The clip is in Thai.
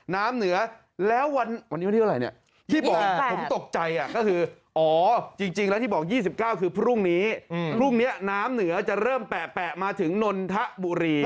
น้ำเหนือแล้ววันวันนี้ได้เรียกอะไรเนี่ย๒๘ก็คืออ๋อจริงและที่บอก๒๙คือพรุ่่งนี้น้ำเหนือจะเริ่มเป๋อมาถึงนนทบุรี